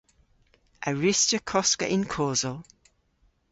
A wruss'ta koska yn kosel?